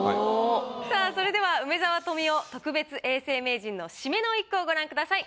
さあそれでは梅沢富美男特別永世名人の締めの一句をご覧ください。